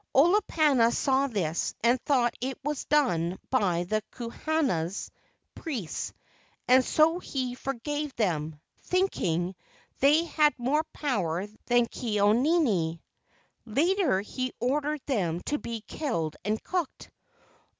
Olo pana saw this and thought it was done by the kahunas (priests) and so he forgave them, think¬ ing they had more power than Ke au nini. Later he ordered them to be killed and cooked.